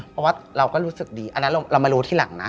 เพราะว่าเราก็รู้สึกดีอันนั้นเรามารู้ทีหลังนะ